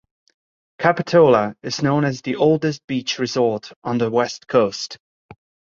Capitola is known as the oldest beach resort on the West Coast.